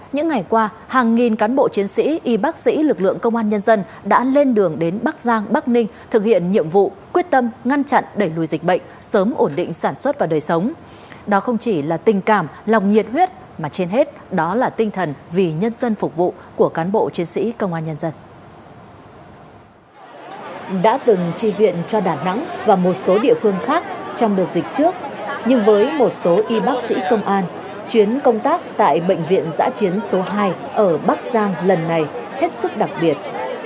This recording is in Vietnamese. nhưng với một số y bác sĩ công an chuyến công tác tại bệnh viện giã chiến số hai ở bắc giang lần này hết sức đặc biệt